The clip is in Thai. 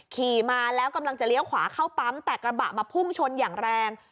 ขี่มาแล้วกำลังจะเลี้ยวขวาเข้าปั๊มแต่กระบะมาพุ่งชนอย่างแรง